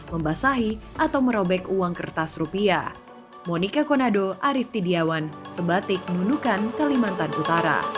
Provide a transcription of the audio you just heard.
membasahi atau merobek uang kertas rupiah